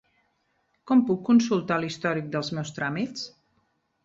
Com puc consultar l'històric dels meus tràmits?